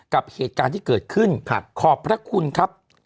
กับเหตุการณ์ที่เกิดขึ้นขอบพระคุณครับ